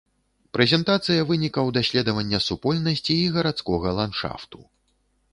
Прэзентацыя вынікаў даследавання супольнасці і гарадскога ландшафту.